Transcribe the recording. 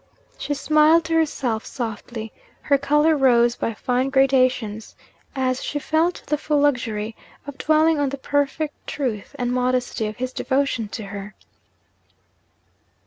She smiled to herself softly, her colour rose by fine gradations, as she felt the full luxury of dwelling on the perfect truth and modesty of his devotion to her.